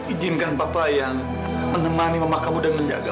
ijinkan papa yang menemani mamakamu dan menjagamu